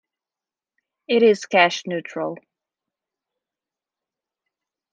It is Cash Neutral.